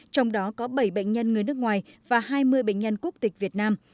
trong đó có bảy bệnh nhân người nước ngoài và hai mươi bệnh nhân quốc tịch việt nam